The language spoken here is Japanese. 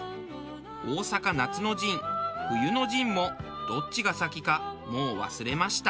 大坂夏の陣・冬の陣もどっちが先かもう忘れました。